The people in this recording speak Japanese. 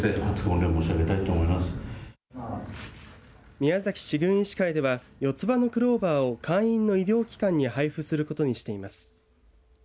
宮崎市郡医師会では四つ葉のクローバーを会員の医療機関に配布することにしています。